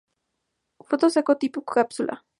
Fruto seco tipo cápsula.